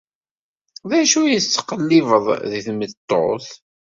D acu i tettqellibeḍ deg tmeṭṭut?